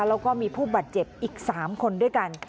แล้วก็มีผู้บาดเจ็บอีก๓คนด้วยกัน